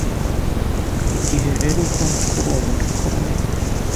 Igihe rero ubona ko uwo muri kumwe